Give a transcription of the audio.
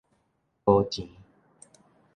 無錢